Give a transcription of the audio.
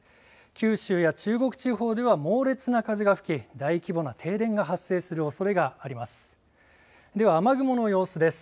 九州や中国地方では猛烈な風が吹き大規模な停電が発生するおそれがあります。